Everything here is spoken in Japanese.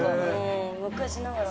昔ながらの。